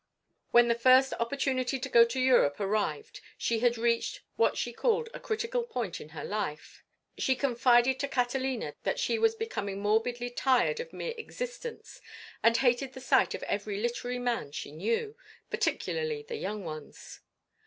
When the first opportunity to go to Europe arrived she had reached what she called a critical point in her life. She confided to Catalina that she was becoming morbidly tired of mere existence and hated the sight of every literary man she knew, particularly the young ones.